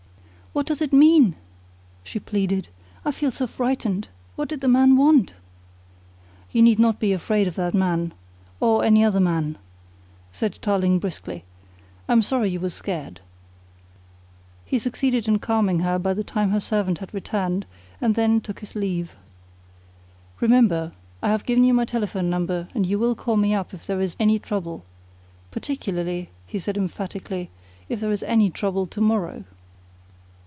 "What does it mean?" she pleaded. "I feel so frightened. What did that man want?" "You need not be afraid of that man, or any other man," said Tarling briskly. "I'm sorry you were scared." He succeeded in calming her by the time her servant had returned and then took his leave. "Remember, I have given you my telephone number and you will call me up if there is any trouble. Particularly," he said emphatically, "if there is any trouble to morrow."